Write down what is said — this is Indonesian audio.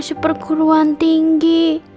masuk perguruan tinggi